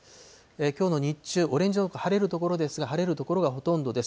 きょうの日中、オレンジ色、晴れる所ですが、晴れる所がほとんどです。